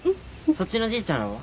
そっちのじいちゃんらは？